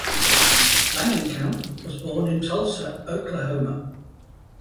Langenkamp was born in Tulsa, Oklahoma.